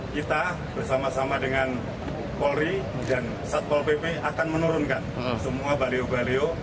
kita bersama sama dengan polri dan satpol pp akan menurunkan semua baliho baliho